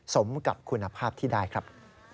สมกับคุณภาพที่ได้ครับ